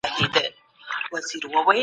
بيا به دسيند په غاړه نه کرم ګلونه